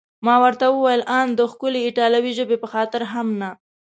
ما ورته وویل: ان د ښکلې ایټالوي ژبې په خاطر هم نه؟